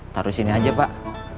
taruh sini aja pak